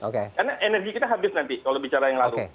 karena energi kita habis nanti kalau bicara yang lalu